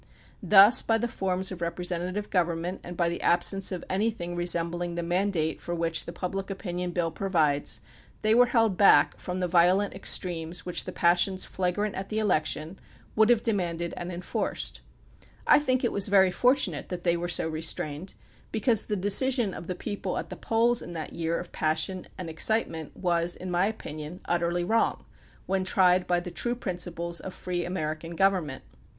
Thus, by the forms of representa tive government and by the absence of anything re sembling the mandate for which the Public Opinion Bill provides, they were held back from the violent extremes which the passions flagrant at the election would have demanded and enforced. I think it was very fortu nate that they were so restrained, because the decision 28 THE PUBLIC OPINION BILL of the people at the polls in that year of passion and excitement was, in my opinion, utterly wrong, when tried by the true principles of free American govern ment.